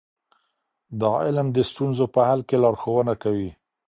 دا علم د ستونزو په حل کې لارښوونه کوي.